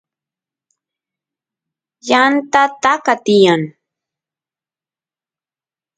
yanta taka tiyan